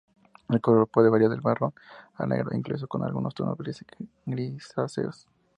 El color puede variar del marrón al negro, e incluso con algunos tonos grisáceos.